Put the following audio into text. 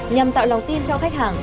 nhằm tạo lòng tin cho khách hàng